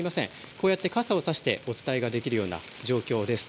こうやって傘を差してお伝えができるような状況です。